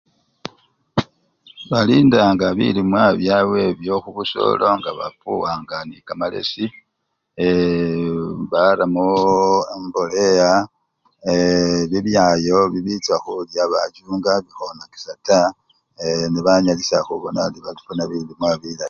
Balindanga bilimwa byabwe hubusolo nga bafuwanga ni kamalesi eee baramo embolea eee bibyayo bibicha hulya babichunga bihonakisha taa ee nebanyalisha hubona bari bafuna bilimwa bilayi